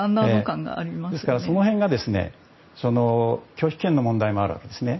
ですから、その辺が拒否権の問題もあるわけですね。